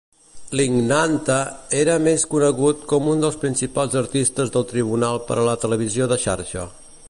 Lignante era més conegut com un dels principals artistes del tribunal per a la televisió de xarxa.